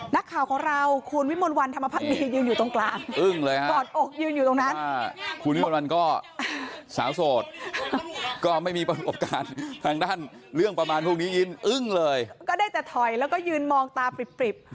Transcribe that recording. นักข่าวของเราคุณวิมลวันธรรมพักดียืนอยู่ตรงกลางอึ้งเลยฮะกอดอกยืนอยู่ตรงนั้นคุณวิมนต์วันก็สาวโสดก็ไม่มีประสบการณ์ทางด้านเรื่องประมาณพวกนี้ยืนอึ้งเลยก็ได้แต่ถอยแล้วก็ยืนมองตาปริบ